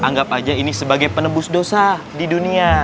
anggap aja ini sebagai penebus dosa di dunia